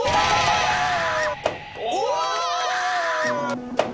お！